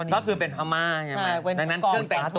ก็คือเป็นพระม่า